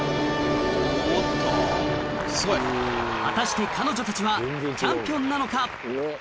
果たして彼女たちはチャンピオンなのか？